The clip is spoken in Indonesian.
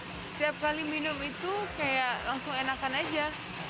setiap kali minum itu kayak langsung enakan aja